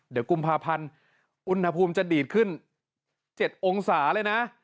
เดี๋ยวกุมภาพันธ์อุณหภูมิจะดีดขึ้น๗องศาเลยนะ